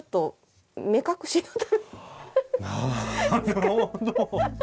なるほど。